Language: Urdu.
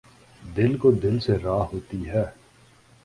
دل کو دل سے راہ ہوتی ہے